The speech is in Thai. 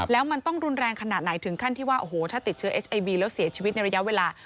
แล้วมันต้องรุนแรงขนาดไหนถึงขั้นที่ว่าโอ้โหถ้าติดเชื้อเอสไอบีแล้วเสียชีวิตในระยะเวลา